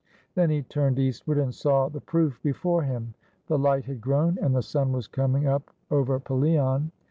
Then he turned eastward and saw the proof before him. The light had grown and the sun was coming up over Pelion.